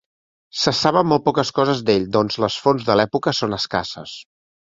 Se saben molt poques coses d'ell doncs les fonts de l'època són escasses.